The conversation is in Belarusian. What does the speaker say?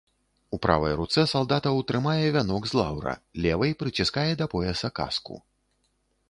У правай руцэ салдатаў трымае вянок з лаўра, левай прыціскае да пояса каску.